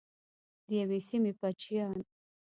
د یوې سیمې بچیان.